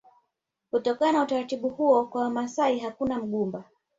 Kutokana na utaratibu huo kwa Wamasai hakuna mgumba